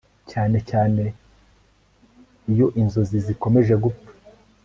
cyane cyane iyo inzozi zikomeje gupfa